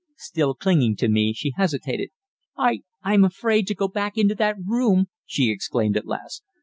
Still clinging to me, she hesitated. "I I am afraid to go back into that room," she exclaimed at last.